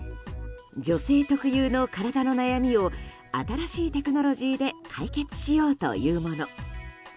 女性特有の体の悩みを新しいテクノロジーで解決しようというもの。